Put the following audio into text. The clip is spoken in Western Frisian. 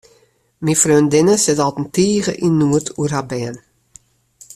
Myn freondinne sit altiten tige yn noed oer har bern.